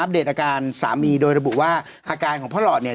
เดตอาการสามีโดยระบุว่าอาการของพ่อหลอดเนี่ย